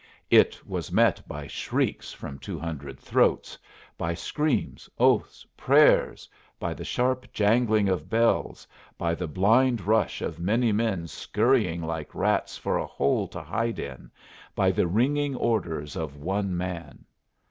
It was met by shrieks from two hundred throats, by screams, oaths, prayers, by the sharp jangling of bells, by the blind rush of many men scurrying like rats for a hole to hide in, by the ringing orders of one man.